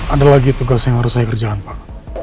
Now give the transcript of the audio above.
ada lagi tugas yang harus saya kerjakan pak